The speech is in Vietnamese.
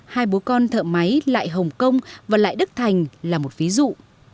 hai bố con thợ máy lại hồng kông và lại đức thành là một ví dụ